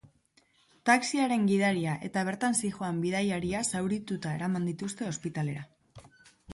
Taxiaren gidaria eta bertan zihoan bidaiaria zaurituta eraman dituzte ospitalera.